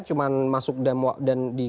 cuma masuk dan digapi dan itu